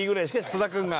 津田君が。